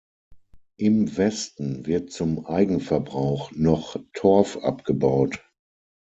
Im Westen wird zum Eigenverbrauch noch Torf abgebaut.